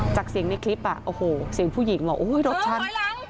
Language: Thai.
จากเสียงในคลิปอ่ะโอ้โหเสียงผู้หญิงว่าโอ้โฮรถชั้น